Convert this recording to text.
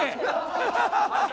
ハハハハ！